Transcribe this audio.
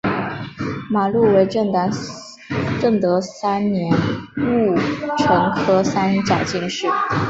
马录为正德三年戊辰科三甲进士。